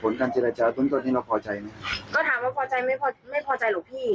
แล้วก็ถามว่าพอใจไม่แปลว่าพอใจหรอกพี่